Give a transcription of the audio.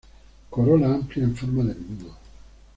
Corola amplia en forma de embudo.